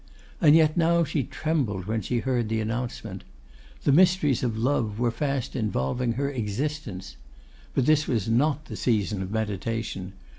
And yet now she trembled when she heard the announcement. The mysteries of love were fast involving her existence. But this was not the season of meditation.